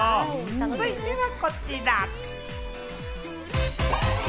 続いてはこちら。